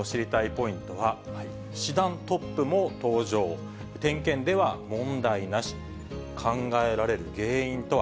ポイントは、師団トップも搭乗、点検では問題なし、考えられる原因とは。